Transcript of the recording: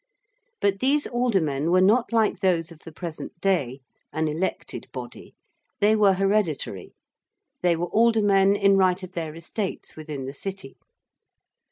But these aldermen were not like those of the present day, an elected body: they were hereditary: they were aldermen in right of their estates within the City.